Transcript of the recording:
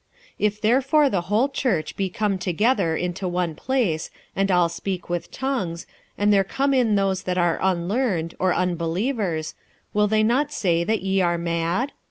46:014:023 If therefore the whole church be come together into one place, and all speak with tongues, and there come in those that are unlearned, or unbelievers, will they not say that ye are mad?